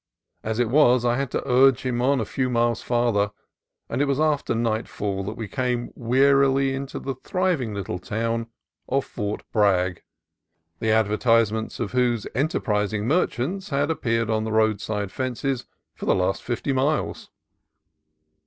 As it was, I had to urge him on a few miles farther, and it was after nightfall when we came wearily into the thriving little town of Fort Bragg, the adver tisements of whose enterprising merchants had ap peared on the roadside fences for the last fifty miles.